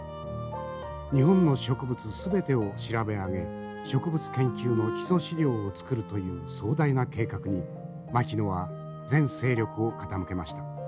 日本の植物全てを調べ上げ植物研究の基礎資料を作るという壮大な計画に牧野は全精力を傾けました。